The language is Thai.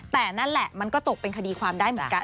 แต่นั่นแหละมันก็ตกเป็นคดีความได้เหมือนกัน